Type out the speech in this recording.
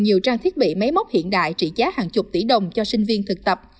nhiều trang thiết bị máy móc hiện đại trị giá hàng chục tỷ đồng cho sinh viên thực tập